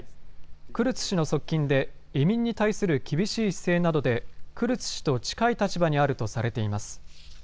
クルツ氏の側近で移民に対する厳しい姿勢などでクルツ氏と近い立場にあるとされています。